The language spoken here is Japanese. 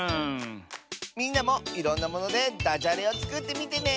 みんなもいろんなものでダジャレをつくってみてね。